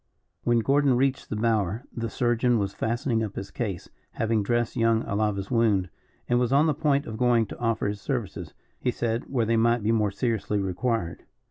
When Gordon reached the bower the surgeon was fastening up his case, having dressed young Alava's wound, and was on the point of going to offer his services, he said, where they might be more seriously required.